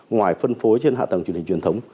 ngoài phân phối trên hạ tầng truyền hình truyền thống